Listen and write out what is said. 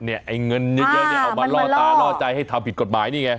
ไอ้เงินเยอะเอามาล่อตาล่อใจให้ทำผิดกฎหมายนี่ไง